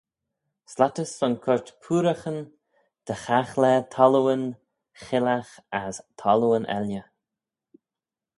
Slattys son coyrt pooaraghyn dy chaghlaa thallooyn chillagh as thallooyn elley.